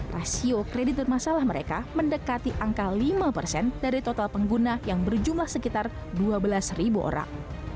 rasio kredit bermasalah mereka mendekati angka lima persen dari total pengguna yang berjumlah sekitar dua belas ribu orang